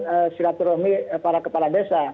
lalu kemarin katakan pertemuan si raffi romi para kepala desa